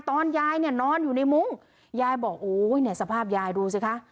ตอนยายเนี่ยนอนอยู่ในมุ้งยายบอกโอ้ยเนี่ยสภาพยายดูสิคะ